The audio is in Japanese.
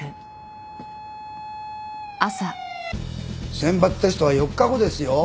選抜テストは４日後ですよ。